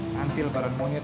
nanti lebaran monyet